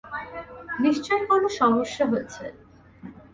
নিশ্চয়ই কোনো সমস্যা হয়েছে।